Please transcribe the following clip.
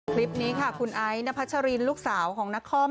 คลิปนี้ค่ะคุณไอ้นพัชรินลูกสาวของนคร